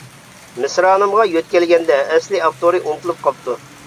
مىسرانىمغا يۆتكەلگەندە ئەسلى ئاپتورى ئۇنتۇلۇپ قاپتۇ.